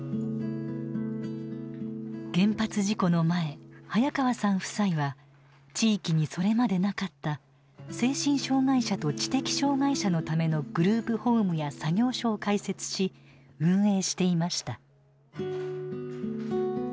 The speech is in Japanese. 原発事故の前早川さん夫妻は地域にそれまでなかった精神障害者と知的障害者のためのグループホームや作業所を開設し運営していました。